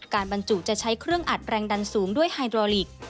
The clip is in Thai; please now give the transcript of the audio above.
บรรจุจะใช้เครื่องอัดแรงดันสูงด้วยไฮโดรลิก